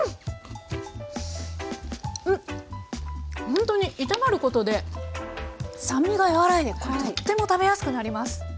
ほんとに炒まることで酸味が和らいでとっても食べやすくなります。